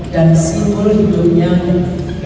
dan simbol hidupnya hidup